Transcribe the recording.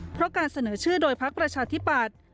เพราะการเสนอชื่อโดยพักประชาธิปัตย์